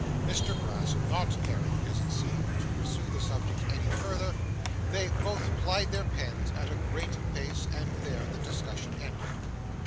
Mr Brass not caring, as it seemed, to pursue the subject any further, they both plied their pens at a great pace, and there the discussion ended.